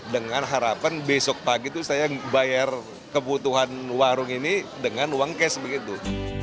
dengan harapan besok pagi itu saya bayar kebutuhan warung ini dengan uang cash begitu